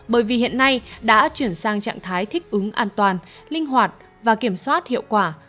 bởi vì hiện nay đã chuyển sang trạng thái thích ứng an toàn linh hoạt và kiểm soát hiệu quả